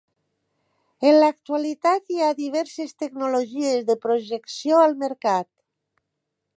En l'actualitat hi ha diverses tecnologies de projecció al mercat.